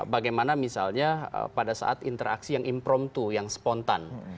bagaimana misalnya pada saat interaksi yang impromptu yang spontan